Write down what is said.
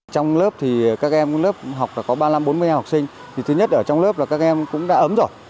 trong lớp thì các em lớp học là có ba mươi năm bốn mươi em học sinh thì thứ nhất ở trong lớp là các em cũng đã ấm rồi